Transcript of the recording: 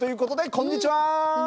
こんにちは。